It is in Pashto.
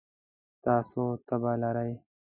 تاسو تبه لرئ؟